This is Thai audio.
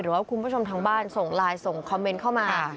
ว่าคุณผู้ชมทางบ้านส่งไลน์ส่งคอมเมนต์เข้ามา